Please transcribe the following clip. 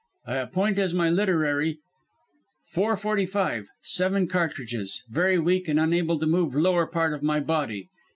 I appoint as my literary "Four forty five. Seven cartridges. Very weak and unable to move lower part of my body.